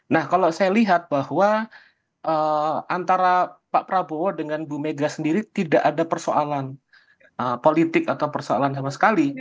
nah kalau saya lihat bahwa antara pak prabowo dengan bu mega sendiri tidak ada persoalan politik atau persoalan sama sekali